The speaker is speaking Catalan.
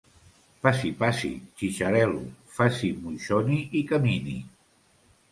Passi, passi, xitxarel·lo, faci moixoni i camini.